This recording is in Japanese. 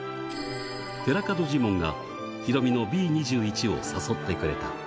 寺門ジモンがヒロミのＢ２１を誘ってくれた。